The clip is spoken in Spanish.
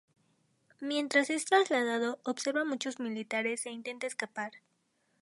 Mientras es trasladado, observa muchos militares e intenta escapar.